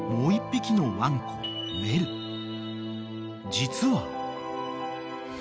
［実は］